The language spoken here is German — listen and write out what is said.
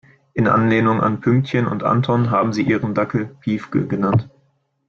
In Anlehnung an Pünktchen und Anton haben sie ihren Dackel Piefke genannt.